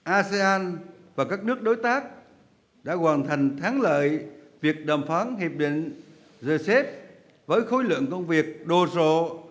asean và các nước đối tác đã hoàn thành thắng lợi việc đàm phán hiệp định rcep với khối lượng công việc đồ sộ